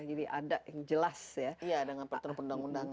iya dengan pertengah undang undang